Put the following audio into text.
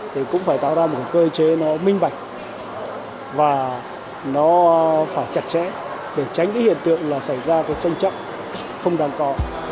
thì cũng phải tạo ra một cơ chế nó minh bạch và nó phải chặt chẽ để tránh cái hiện tượng là xảy ra cái tranh chấp không đáng có